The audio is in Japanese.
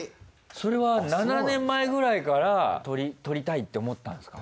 それは７年前くらいから撮り撮りたいって思ってたんですか？